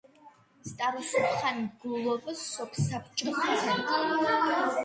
სტაროსუბხანგულოვოს სოფსაბჭოს ცენტრი.